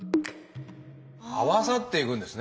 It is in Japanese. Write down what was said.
合わさっていくんですね。